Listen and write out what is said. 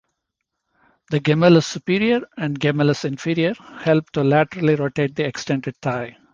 The gemellus superior and gemellus inferior help to laterally rotate the extended thigh.